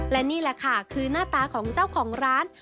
และนี่แหละค่ะคือหน้าตาของเจ้าของร้าน